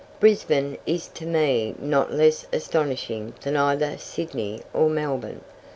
Brisbane is to me not less astonishing than either Sydney or Melbourne.